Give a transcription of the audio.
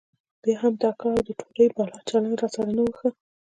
بيا به هم د اکا او د تورې بلا چلند راسره نه و ښه.